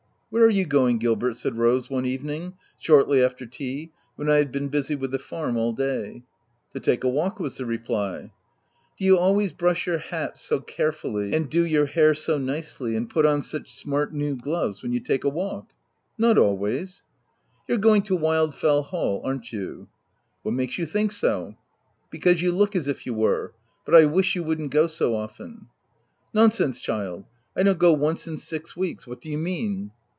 " Where are you going Gilbert ?" said Rose , one evening, shortly after tea, when I had been busy with the farm all day. "To take a walk/' was the reply. "Do you always brush your hat so carefully, and do your hair so nicely, and put on such smart new gloves when you take a walk?" OF W1LDFELL HALL. 191 " Not always." " You're going to Wildfell Hall, aren't you ?"" What makes you think so V! u Because you look as if you were — but I wish you wouldn't go so often." "Nonsense child! I don't go once in six weeks— what do you mean